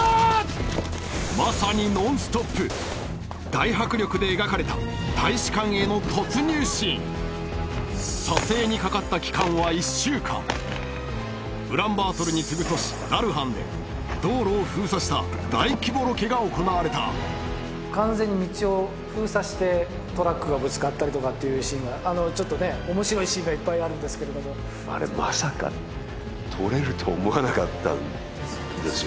まさにノンストップ大迫力で描かれた大使館への突入シーン撮影にかかった期間は１週間ウランバートルに次ぐ都市ダルハンで道路を封鎖した大規模ロケが行われたトラックがぶつかったりとかっていうシーンがちょっとね面白いシーンがいっぱいあるんですけれどもあれまさか撮れると思わなかったんですよ